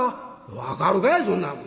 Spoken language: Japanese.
「分かるかいそんなもん。